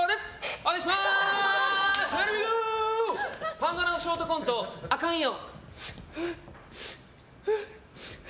パンドラのショートコントアカンよ。